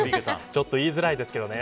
ちょっと言いづらいですけどね。